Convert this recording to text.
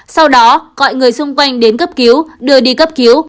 sau đó gọi người xung quanh đến cấp cứu đưa đi cấp cứu